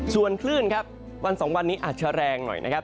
ส่วนคลื่นครับวันสองวันนี้อาจจะแรงหน่อยนะครับ